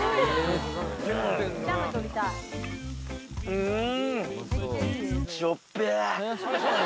うん